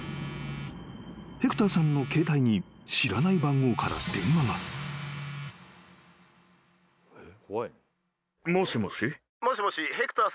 ［ヘクターさんの携帯に知らない番号から電話が］えっ？